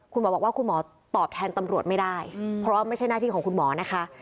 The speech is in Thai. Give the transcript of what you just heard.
คุณหมอบอกว่าคุณหมอตอบแทนตำรวจไม่ได้เพราะว่าไม่ใช่หน้าที่ของคุณหมอนะคะ